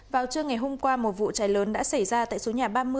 vào trưa ngày hôm qua một vụ cháy lớn đã xảy ra tại số nhà ba mươi